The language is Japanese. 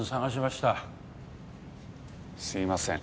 すいません